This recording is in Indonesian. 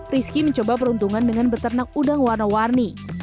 rizky mencoba peruntungan dengan beternak udang warna warni